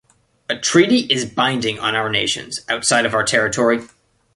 A treaty is binding on our nations outside of our territory.